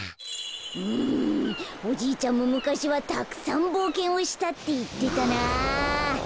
うんおじいちゃんもむかしはたくさんぼうけんをしたっていってたなあ。